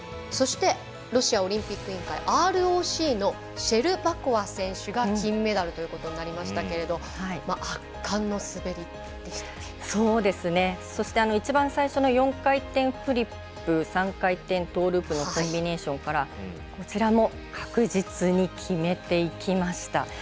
そしてロシアオリンピック委員会ＲＯＣのシェルバコワが金メダルということになりましたけれどそして一番最初の４回転フリップ３回転トーループのコンビネーションからこちらも確実に決めていきました。